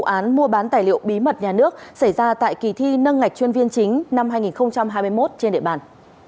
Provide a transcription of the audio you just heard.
vụ án mua bán tài liệu bí mật nhà nước xảy ra tại kỳ thi nâng ngạch chuyên viên chính năm hai nghìn hai mươi một trên địa bàn